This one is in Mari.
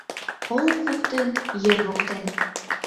Олык воктен, ер воктен